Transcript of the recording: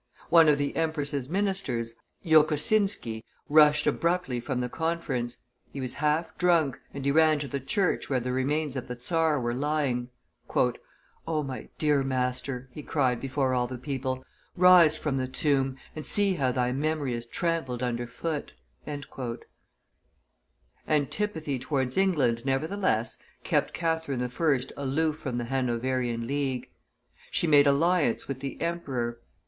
One of the empress's ministers, Jokosinski, rushed abruptly from the conference; he was half drunk, and he ran to the church where the remains of the czar were lying. "O my dear master!" he cried before all the people, "rise from the tomb, and see how thy memory is trampled under foot!" Antipathy towards England, nevertheless, kept Catherine I. aloof from the Hanoverian league; she made alliance with the emperor.